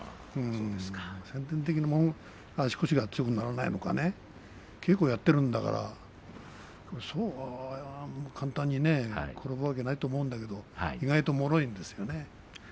先天的な、足腰が強くないのか稽古をやっているからそう簡単に転ぶわけはないと思うんだけれども意外ともろいですよね。